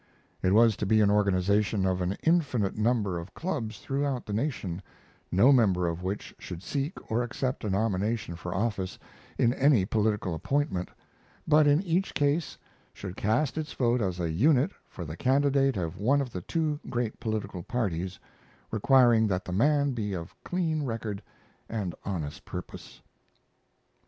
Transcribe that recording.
It was to be an organization of an infinite number of clubs throughout the nation, no member of which should seek or accept a nomination for office in any political appointment, but in each case should cast its vote as a unit for the candidate of one of the two great political parties, requiring that the man be of clean record and honest purpose.